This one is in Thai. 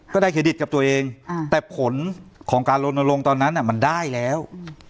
เครดิตกับตัวเองแต่ผลของการลนลงตอนนั้นมันได้แล้ว